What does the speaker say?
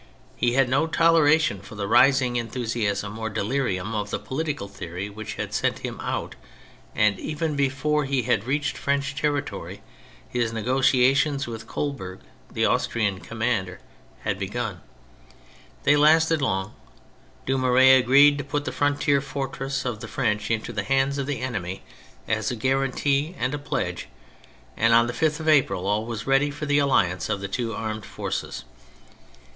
He had no toleration for the rising enthusiasm or delirium of the political theory which had sent him out, and, even before he had reached French territory, his negotiations with Coburg, the Austrian commander, had begun. They lasted long. Dumouriez agreed to put the frontier fortresses of the French into the hands of the enemy as a guarantee and a pledge; and on the 5th of April all was ready for the alliance of the two armed forces.